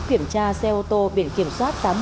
kiểm tra xe ô tô biển kiểm soát